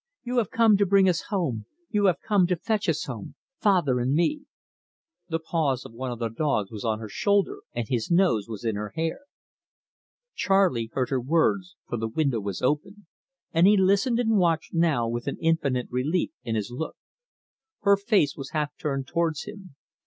You have come to bring us home; you have come to fetch us home father and me." The paws of one of the dogs was on her shoulder, and his nose was in her hair. Charley heard her words, for the window was open, and he listened and watched now with an infinite relief in his look. Her face was half turned towards him.